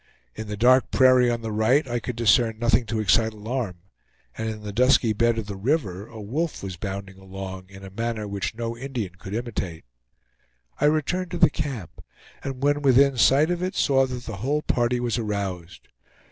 In the dark prairie on the right I could discern nothing to excite alarm; and in the dusky bed of the river, a wolf was bounding along in a manner which no Indian could imitate. I returned to the camp, and when within sight of it, saw that the whole party was aroused.